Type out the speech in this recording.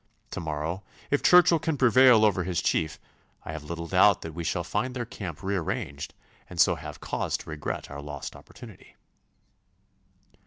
To morrow, if Churchill can prevail over his chief, I have little doubt that we shall find their camp rearranged, and so have cause to regret our lost opportunity.